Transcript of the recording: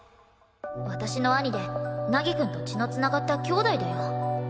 私の兄で凪くんと血の繋がった兄弟だよ。